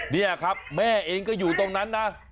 นี่ครับแม่เองก็อยู่ตรงนั้นนะ